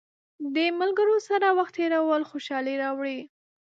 د ملګرو سره وخت تېرول خوشحالي راوړي.